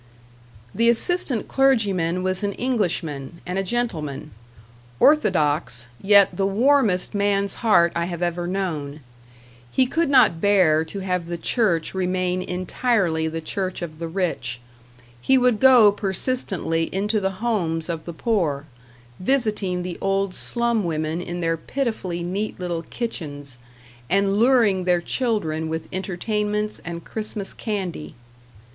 The assistant clergyman was an Englishman, and a gentleman; orthodox, yet the warmest man's heart I have ever known. He could not bear to have the church remain entirely the church of the rich; he would go persistently into the homes of the poor, visiting the old slum women in their pitifully neat little kitchens, and luring their children with entertainments and Christmas candy.